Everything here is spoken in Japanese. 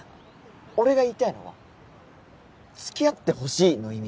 俺が言いたいのは「付き合ってほしい」の意味で。